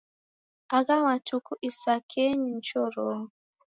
Agha matuku isakenyi ni choronyi.